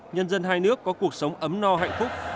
nhân dân hai nước có cuộc sống ấm no hạnh phúc